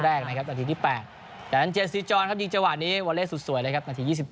เราออย้้ายนเล่นมากกว่าเค้าด้วยครับ